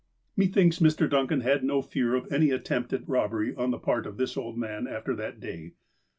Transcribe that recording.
Methinks Mr. Duncan had no fear of any attempt at robbery on tlie part of this old man after that day.